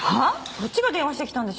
そっちが電話してきたんでしょ！